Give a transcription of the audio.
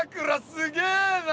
すげえな！